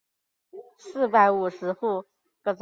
四百五十户。